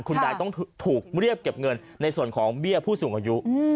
ยายต้องถูกเรียกเก็บเงินในส่วนของเบี้ยผู้สูงอายุ